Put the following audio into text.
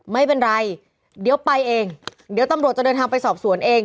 ไม่เป็นไรเดี๋ยวไปเองเดี๋ยวตำรวจจะเดินทางไปสอบสวนเอง